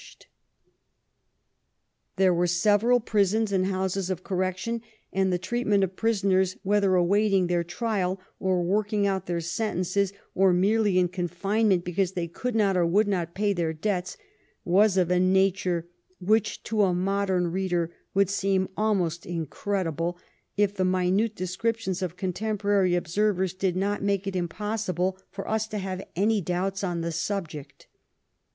316 THE LONDON OF QUEEN ANNE There were several prisons and houses of oorrec tion, and the treatment of prisoners, whether awaiting their trial or working out their sentences or merely in confinement because they could not or would not pay their debts, was of a nature which to a modem reader would seem almost incredible if the minute descriptions of contemporary observers did not make it impossible for us to have any doubts on the subject.